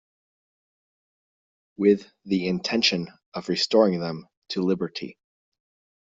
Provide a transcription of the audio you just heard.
With the intention of restoring them to liberty.